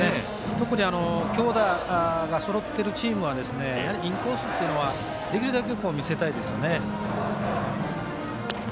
特に強打がそろってるチームはインコースというのはできるだけ、見せたいですよね。